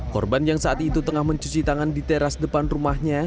korban yang saat itu tengah mencuci tangan di teras depan rumahnya